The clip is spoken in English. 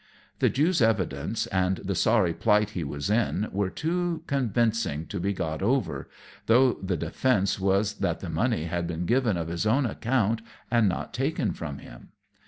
The Jew's evidence, and the sorry plight he was in, were too convincing to be got over, though the defence was that the money had been given of his own account and not taken from him.